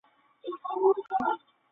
安菲阿拉俄斯。